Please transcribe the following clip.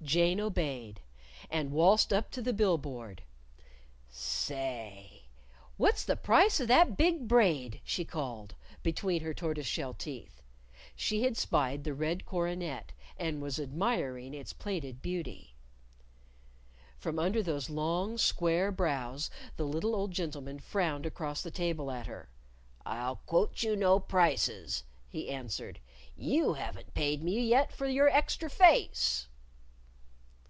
Jane obeyed. And waltzed up to the bill board. "Say! what's the price of that big braid?" she called between her tortoise shell teeth. She had spied the red coronet, and was admiring its plaited beauty. From under those long, square brows, the little old gentleman frowned across the table at her. "I'll quote you no prices," he answered. "You haven't paid me yet for your extra face."